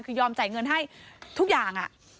คือยอมจ่ายเงินให้ทุกอย่าง